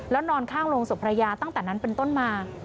แล้วนอนข้างโรงศพภรรยาตั้งแต่นั้นเป็นต้นมา